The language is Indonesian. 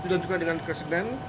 dan juga dengan kesenen